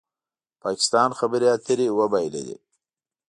پاکستان خبرې اترې وبایللې